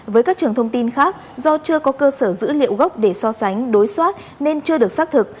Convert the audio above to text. với các trường thông tin khác do chưa có cơ sở dữ liệu gốc để so sánh đối soát nên chưa được xác thực